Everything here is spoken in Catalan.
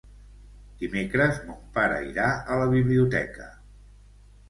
Dimecres mon pare irà a la biblioteca.